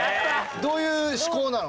どういう思考なの？